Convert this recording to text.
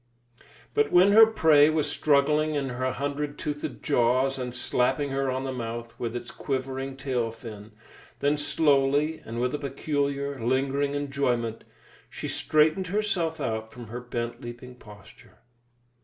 But when her prey was struggling in her hundred toothed jaws and slapping her on the mouth with its quivering tail fin, then slowly, and with a peculiar, lingering enjoyment, she straightened herself out from her bent leaping posture.